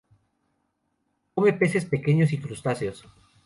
Come peces pequeños y crustáceos.